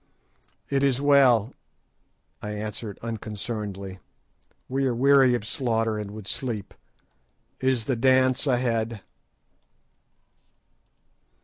"It is well," I answered unconcernedly; "we are weary of slaughter, and would sleep. Is the dance ended?"